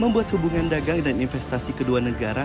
membuat hubungan dagang dan investasi kedua negara